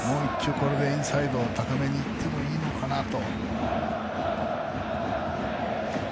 これでインサイド高めにいってもいいのかなと。